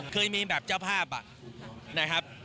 เคยมีแบบเจ้าภาพนะครับ